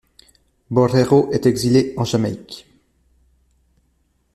Borrero est exilé en Jamaïque.